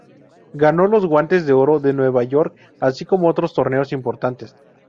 Ganó los Guantes de Oro de Nueva York así como otros torneos importantes.